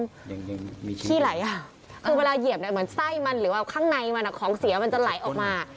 จริงมีขี้ไหลอ่ะคือเวลาเหยียบเนี่ยเหมือนไส้มันหรือว่าข้างในมันอ่ะของเสียมันจะไหลออกมา